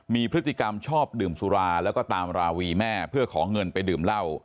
มีพฤติกรรมชอบดื่มสุราแล้วก็ตามราวีแม่เพื่อขอเงินไปดื่มเหล้า